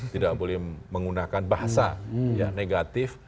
tidak boleh menggunakan bahasa negatif